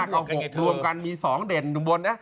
๕กับ๖รวมกันมี๒เด่นอยู่บน